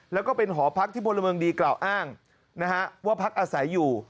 แล้วก็เป็นหอพักที่พลเมืองดีกล่าวอ้างนะฮะว่าพักอาศัยอยู่